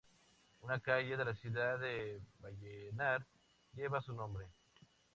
Una calle de la ciudad de Vallenar lleva su nombre.